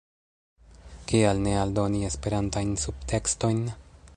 Kial ne aldoni Esperantajn subtekstojn?